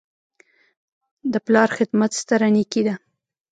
د پلار خدمت ستره نیکي ده.